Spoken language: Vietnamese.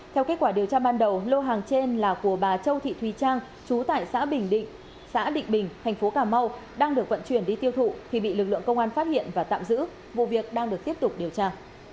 theo kết quả điều tra ban đầu lô hàng trên là của bà châu thị thùy trang chú tại xã bình định xã định bình thành phố cà mau đang được vận chuyển đi tiêu thụ thì bị lực lượng công an phát hiện và tạm giữ vụ việc đang được tiếp tục điều tra